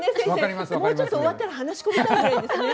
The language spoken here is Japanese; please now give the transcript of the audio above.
もうちょっと終わったら話し込みたいぐらいですね。